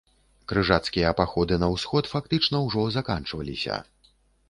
Крыжацкія паходы на ўсход фактычна ўжо заканчваліся.